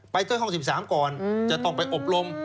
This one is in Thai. ที่ห้อง๑๓ก่อนจะต้องไปอบรม